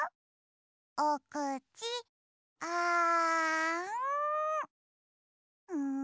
おくちあん！